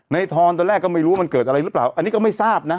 ทอนตอนแรกก็ไม่รู้ว่ามันเกิดอะไรหรือเปล่าอันนี้ก็ไม่ทราบนะ